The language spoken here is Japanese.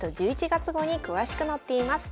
１１月号に詳しく載っています。